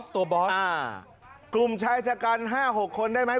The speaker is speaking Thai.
ตัวอ่ากลุ่มใช้จับห้าหกคนได้ไหม